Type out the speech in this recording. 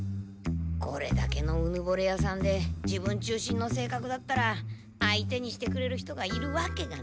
これだけのうぬぼれやさんで自分中心のせいかくだったら相手にしてくれる人がいるわけがない。